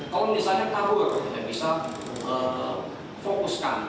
kalau misalnya tabur kita bisa fokuskan